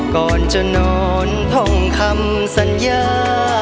ก่อนจะนอนท่องคำสัญญา